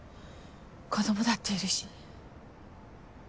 子供だっているし。